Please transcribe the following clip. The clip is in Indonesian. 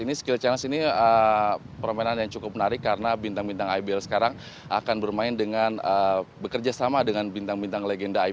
ini skill challenge ini permainan yang cukup menarik karena bintang bintang ibl sekarang akan bermain dengan bekerja sama dengan bintang bintang legenda ibl